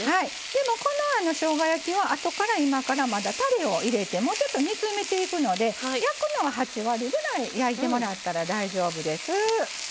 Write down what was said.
でもこのしょうが焼きはあとから今からまだたれを入れてもうちょっと煮詰めていくので焼くのは８割ぐらい焼いてもらったら大丈夫です。